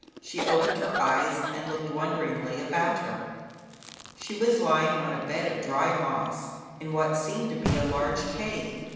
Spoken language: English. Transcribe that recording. She opened her eyes and looked wonderingly about her. She was lying upon a bed of dry moss, in what seemed to be a large cave.